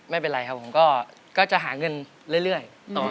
ไม่เป็นไรครับผมก็จะหาเงินเรื่อย